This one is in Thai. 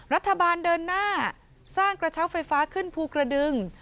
รัฐบาลเดินหน้าสร้างกระเช้าไฟฟ้าขึ้นภูกระดึง